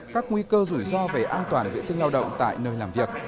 các nguy cơ rủi ro về an toàn vệ sinh lao động tại nơi làm việc